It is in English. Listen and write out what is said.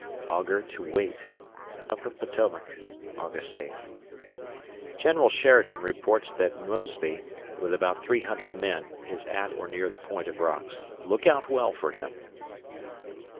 [Augur to Waite] Upper Potomac, August 8th. General Sheridan reports that Mosby, with about 300 men, is at or near the Point of Rocks. Look out well for him.